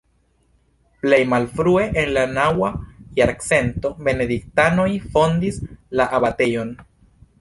Plej malfrue en la naŭa jarcento Benediktanoj fondis la abatejon.